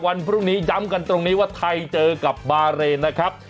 วันพรุ่งนี้ย้ำกันตรงนี้ว่าไทยเจอกับบาเรนนะครับ